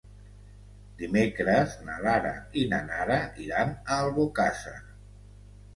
Dimecres na Lara i na Nara iran a Albocàsser.